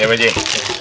ya udah deh